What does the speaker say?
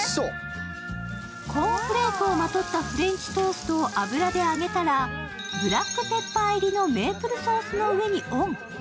コーンフレークをまとったフレンチトーストを油で揚げたら、ブラックペッパー入りのメープルソースの上にオン。